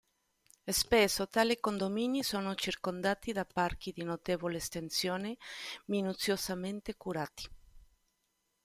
Spesso tali condomini sono circondati da parchi di notevole estensione, minuziosamente curati.